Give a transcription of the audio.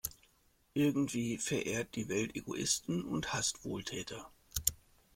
Irgendwie verehrt die Welt Egoisten und hasst Wohltäter.